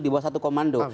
di bawah satu komando